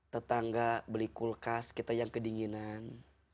tetangga beli kulkas kita yang kedinginan